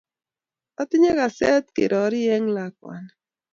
Otinye Kaset kerori eng lakwani